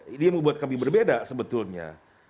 ini yang membuat kami berbeda sebetulnya